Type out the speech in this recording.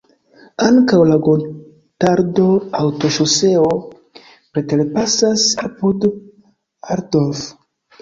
Ankaŭ la Gotardo-autoŝoseo preterpasas apud Altdorf.